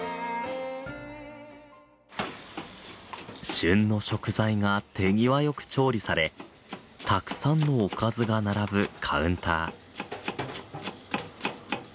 旬の食材が手際よく調理されたくさんのおかずが並ぶカウンター。